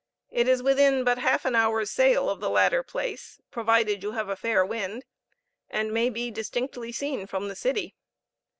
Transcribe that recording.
It is within but half an hour's sail of the latter place, provided you have a fair wind, and may be distinctly seen from the city.